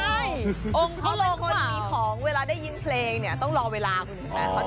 ใช่เขาเป็นคนมีของเวลาได้ยินเพลงเนี่ยต้องรอเวลาคือหนึ่งค่ะ